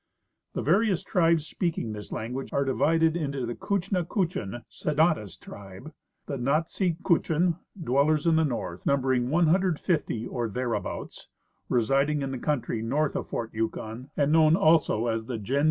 The various tribes speaking this language are divided into the Kutcha Kutchin (Senatis tribe) ; the Natsei Kutchin (Dwellers in the North), numbering 150 or thereabouts, residing in the country north of fort Yukon, and known also as the Gens de 194